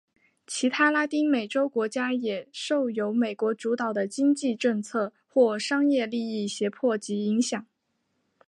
其他拉丁美洲国家也受由美国主导的经济政策或商业利益胁迫及影响。